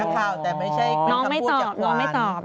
เป็นคำถามของนักคราว